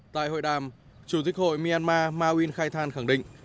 tại hội đàm chủ tịch hội myanmar marie keitan khẳng định